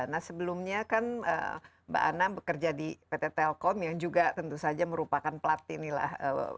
nah sebelumnya kan mbak anna bekerja di pt telkom yang juga tentu saja merupakan plat inilah